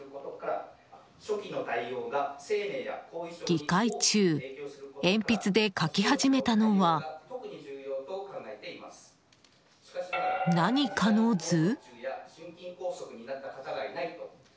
議会中、鉛筆で書き始めたのは、何かの図？